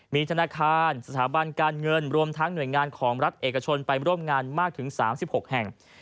มีธนาคารสถาบันการเงินรวมทั้งหน่วยงานของรัฐเอกชนไปร่วมงานมากถึง๓๖แห่ง